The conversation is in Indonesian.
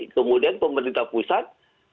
kemudian pemerintah pusat